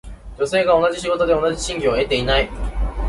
女性が同じ仕事で同じ賃金を得ていない。